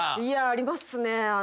いやありますね。